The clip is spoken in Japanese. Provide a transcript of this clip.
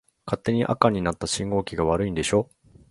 勝手に赤になった信号機が悪いんでしょ。